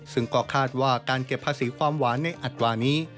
ซึ่งก็คาดว่าการเก็บภาษีความหวานในอัตวานี้